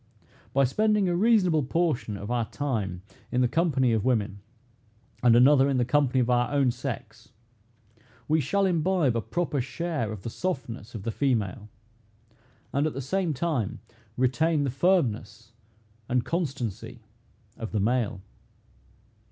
By spending a reasonable portion of our time in the company of women, and another in the company of our own sex, we shall imbibe a proper share of the softness of the female, and at the same time retain the firmness and constancy of the male.